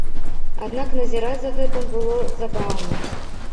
Аднак назіраць за гэтым было забаўна.